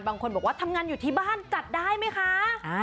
บางคนบอกว่าทำงานอยู่ที่บ้านจัดได้ไหมคะ